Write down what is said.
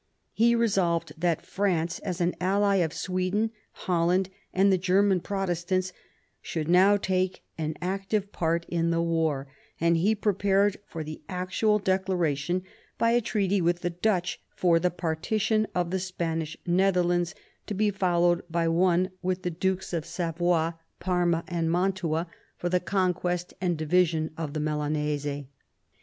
He resolved that France, as an ally of Sweden, Holland, and the German Protestants, should now take an active part in the war, and he prepared for the actual declaration by a treaty with the Dutch for the partition of the Spanish Nether lands, to be followed by one with the Dukes of Savoy, 254 CARDINAL DE RICHELIEU Parma, and Mantua, for the conquest and division of the Milanese.